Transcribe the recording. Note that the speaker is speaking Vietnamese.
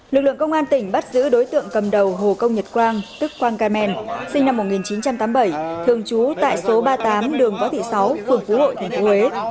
lực lượng công an tỉnh bắt giữ đối tượng cầm đầu hồ công nhật quang tức quang carmen sinh năm một nghìn chín trăm tám mươi bảy thường trú tại số ba mươi tám đường bó thị sáu phường phú hội thành phố huế